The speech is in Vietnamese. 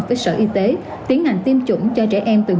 mình cố gắng mình tiêm trong dòng năm bảy ngày cho mỗi một